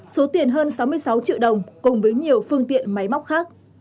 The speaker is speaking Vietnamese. số tiền hơn sáu mươi sáu triệu đồng cùng với nhiều phương tiện máy móc khác